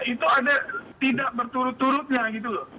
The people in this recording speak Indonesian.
itu ada tidak berturut turutnya gitu loh